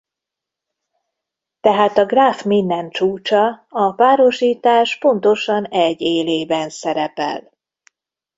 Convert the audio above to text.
Tehát a gráf minden csúcsa a párosítás pontosan egy élében szerepel.